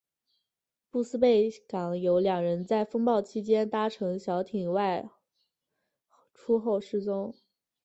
布斯贝港有两人在风暴期间搭乘小艇外出后失踪。